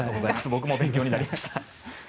僕も勉強になりました。